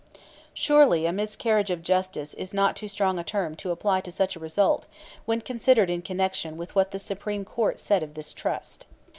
Surely, miscarriage of justice is not too strong a term to apply to such a result when considered in connection with what the Supreme Court said of this Trust.